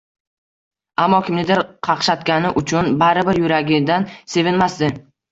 ammo kimnidir qaqshatgani uchun baribir yuragidan sevinmasdi.